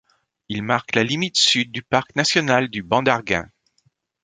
Il marque la limite sud du Parc national du Banc d'Arguin.